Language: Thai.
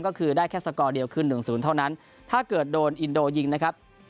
ก็คือได้แค่สกอร์เดียวขึ้นหนึ่งศูนย์เท่านั้นถ้าเกิดโดนอินโดยิงนะครับ